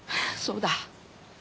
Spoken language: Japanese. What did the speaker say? そうだ。